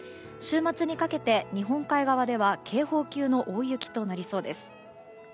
週末にかけて日本海側では警報級の大雪となりそうです。